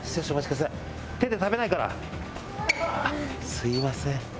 すみません。